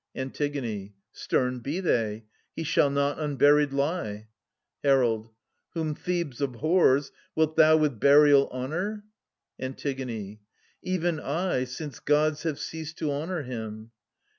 Antigone. Stern be they — ^he shall not imburied lie. Herald. Whom Thebes abhors, wilt thou with burial honour ? Antigone. Even I, since Gods have ceased to honour him.